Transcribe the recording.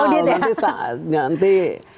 belum final nanti saat